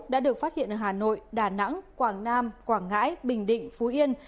đã được phát hiện ở hà nội đà nẵng quảng nam quảng ngãi bình định phú yên